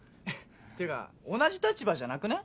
ていうか同じ立場じゃなくね？